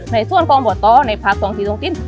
ในส่วนกรุงบุตรในภาคทองทีทองทิน